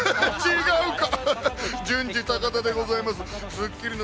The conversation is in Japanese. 違うか。